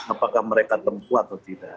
apakah mereka tempuh atau tidak